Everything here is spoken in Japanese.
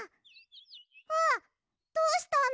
わっどうしたの？